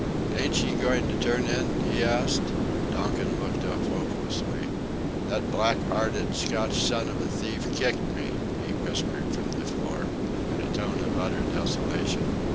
"Ain't ye going to turn in?" he asked. Donkin looked up hopelessly. "That black'earted Scotch son of a thief kicked me!" he whispered from the floor, in a tone of utter desolation.